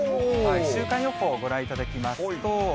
週間予報ご覧いただきますと。